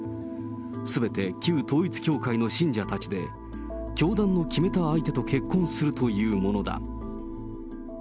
すべて旧統一教会の信者たちで、教団の決めた相手と結婚するというものだ。